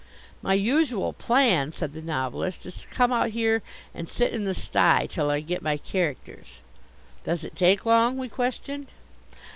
"My usual plan," said the Novelist, "is to come out here and sit in the stye till I get my characters." "Does it take long?" we questioned.